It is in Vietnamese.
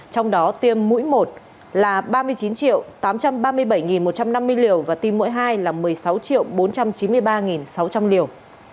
trong đó tiêm mũi một là ba mươi chín tám trăm ba mươi bảy một trăm năm mươi liều và tim mỗi hai là một mươi sáu bốn trăm chín mươi ba sáu trăm linh liều